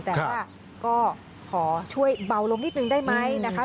แต่ว่าก็ขอช่วยเบาลงนิดนึงได้ไหมนะคะ